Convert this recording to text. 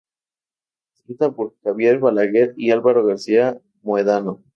Escrita por Javier Balaguer y Alvaro García Mohedano.